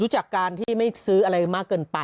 จากการที่ไม่ซื้ออะไรมากเกินไป